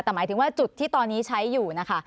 แต่หมายถึงว่าจุดที่ตอนนี้ใช้อยู่นะคะ